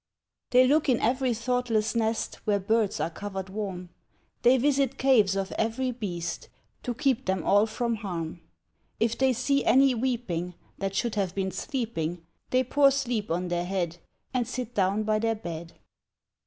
They look in every thoughtless nest Where birds are covered warm; They visit caves of every beast, To keep them all from harm: If they see any weeping That should have been sleeping, They pour sleep on their head, And sit down by their bed.